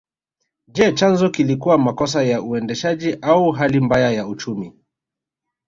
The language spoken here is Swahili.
Je chanzo kilikuwa makosa ya uendeshaji au hali mbaya ya uchumi